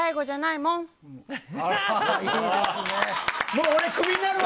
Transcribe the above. もう俺、クビになるわ。